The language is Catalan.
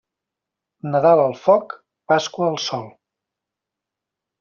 Nadal al foc, Pasqua al sol.